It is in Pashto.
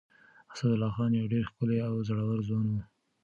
اسدالله خان يو ډېر ښکلی او زړور ځوان و.